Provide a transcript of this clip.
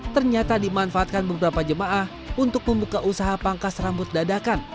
ternyata dimanfaatkan beberapa jemaah untuk membuka usaha pangkas rambut dadakan